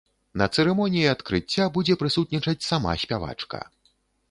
На цырымоніі адкрыцця будзе прысутнічаць сама спявачка.